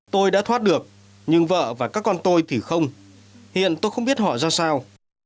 tôi đã thoát được nhưng vợ và các con tôi thì không hiện tôi không biết họ ra sao